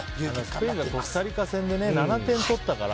スペインがコスタリカ戦で７点取ったから。